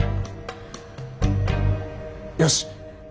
よし！